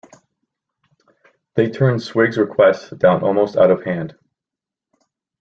They turned Swig's request down almost out of hand.